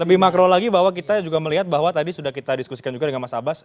lebih makro lagi bahwa kita juga melihat bahwa tadi sudah kita diskusikan juga dengan mas abbas